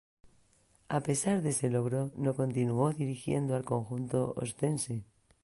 A pesar de ese logro, no continuó dirigiendo al conjunto oscense.